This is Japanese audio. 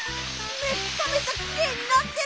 めちゃめちゃきれいになってる！